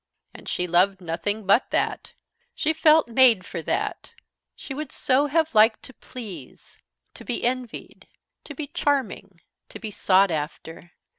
And she loved nothing but that; she felt made for that. She would so have liked to please, to be envied, to be charming, to be sought after.